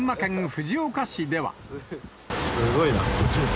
すごいな。